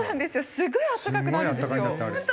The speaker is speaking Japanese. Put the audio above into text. すごい温かくなるんですよ。